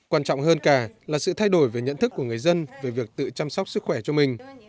quan trọng hơn cả là sự thay đổi về nhận thức của người dân về việc tự chăm sóc sức khỏe cho mình